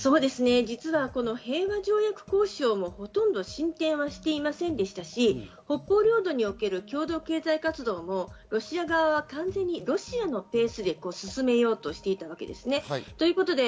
実は平和条約交渉もほとんど進展はしていませんでしたし、北方領土における共同経済活動もロシア側は完全にロシアのペースで進めようとしていたわけです。